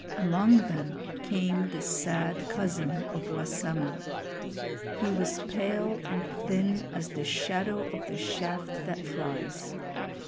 Among them came the sad cousin of Wassamo. He was pale and thin as the shadow of the shaft that flies.